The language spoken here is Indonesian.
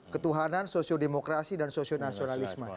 ketuhanan sosiodemokrasi dan sosionalisme